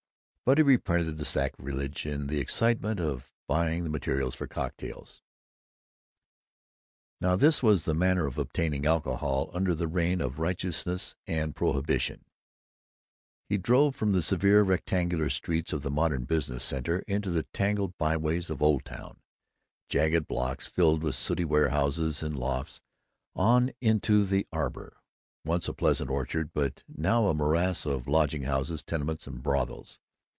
But he repented the sacrilege in the excitement of buying the materials for cocktails. Now this was the manner of obtaining alcohol under the reign of righteousness and prohibition: He drove from the severe rectangular streets of the modern business center into the tangled byways of Old Town jagged blocks filled with sooty warehouses and lofts; on into The Arbor, once a pleasant orchard but now a morass of lodging houses, tenements, and brothels.